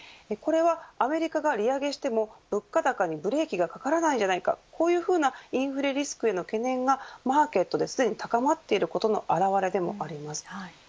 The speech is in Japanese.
これはアメリカが利上げしても物価高にブレーキがかからないのではないかというインフレリスクへの懸念がマーケットですでに高まっていることの表れでもあります。